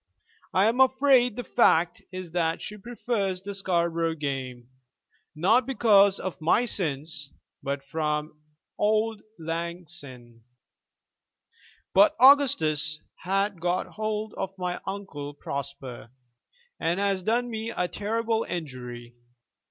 I am afraid the fact is that she prefers the Scarborough game, not because of my sins, but from auld lang syne. "But Augustus has got hold of my Uncle Prosper, and has done me a terrible injury.